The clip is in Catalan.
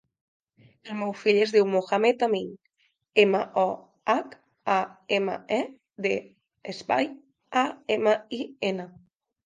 El meu fill es diu Mohamed amin: ema, o, hac, a, ema, e, de, espai, a, ema, i, ena.